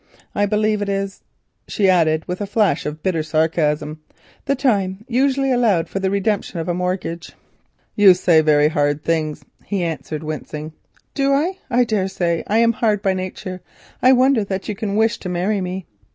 I believe," she added with a flash of bitter sarcasm, "it is the time usually allowed for the redemption of a mortgage." "You say very hard things," he answered, wincing. "Do I? I daresay. I am hard by nature. I wonder that you can wish to marry me."